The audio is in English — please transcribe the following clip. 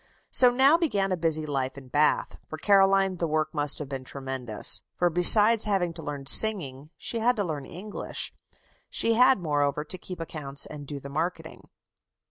So now began a busy life in Bath. For Caroline the work must have been tremendous. For, besides having to learn singing, she had to learn English. She had, moreover, to keep accounts and do the marketing.